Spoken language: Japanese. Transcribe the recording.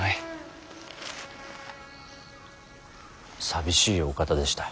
寂しいお方でした。